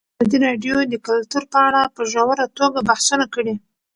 ازادي راډیو د کلتور په اړه په ژوره توګه بحثونه کړي.